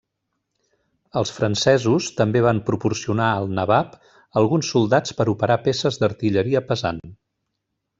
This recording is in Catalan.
Els francesos també van proporcionar al Nabab alguns soldats per operar peces d'artilleria pesant.